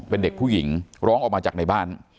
เป็นเด็กผู้หญิงร้องออกมาจากในบ้าน